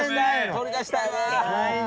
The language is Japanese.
取り出したいわ！